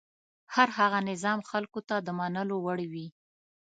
هر هغه نظام خلکو ته د منلو وړ وي.